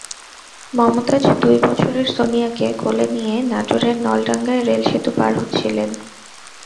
মমতাজ দুই বছরের সোনিয়াকে কোলে নিয়ে নাটোরের নলডাঙ্গায় রেলসেতু পার হচ্ছিলেন।